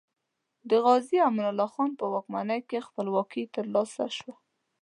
د غازي امان الله خان په واکمنۍ کې خپلواکي تر لاسه شوه.